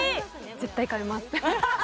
絶対買います